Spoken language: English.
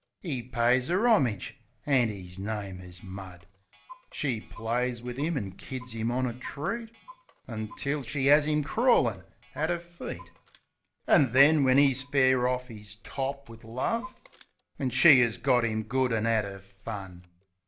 'E pays 'er 'omage — an' 'is name is Mud. She plays wiv 'im an' kids 'im on a treat, Until she 'as 'im crawlin' at 'er feet. An' then, when 'e's fair orf 'is top wiv love. When she 'as got 'im good an' 'ad 'er fun.